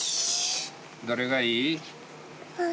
どれがいい？